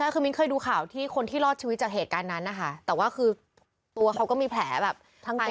คือมินทำไม่ทันหรอกเหตุการณ์นั้น